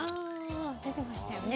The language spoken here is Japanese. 出てましたよね